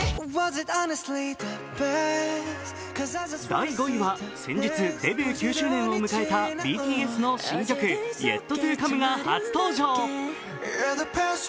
第５位は先日、デビュー９周年を迎えたＢＴＳの新曲、「ＹｅｔＴｏＣｏｍｅ」が初登場。